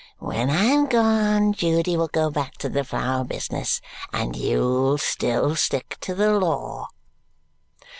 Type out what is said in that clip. When I am gone, Judy will go back to the flower business and you'll still stick to the law."